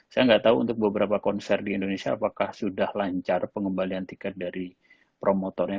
saya nggak tahu untuk beberapa konser di indonesia apakah sudah lancar pengembalian tiket dari promotornya